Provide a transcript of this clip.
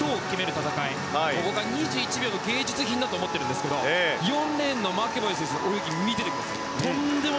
戦い僕は２１秒の芸術品だと思ってるんですが４レーンのマケボイ選手の泳ぎ見ていてください。